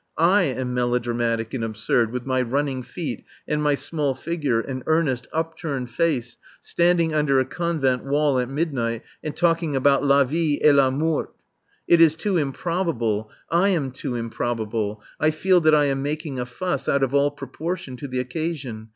I am melodramatic and absurd, with my running feet, and my small figure and earnest, upturned face, standing under a Convent wall at midnight, and talking about la vie et la mort. It is too improbable. I am too improbable. I feel that I am making a fuss out of all proportion to the occasion.